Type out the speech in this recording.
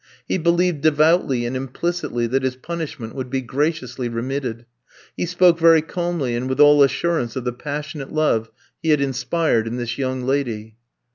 He believed devoutly and implicitly that his punishment would be graciously remitted. He spoke very calmly, and with all assurance of the passionate love he had inspired in this young lady.